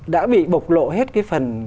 đã bị bộc lộ hết cái phần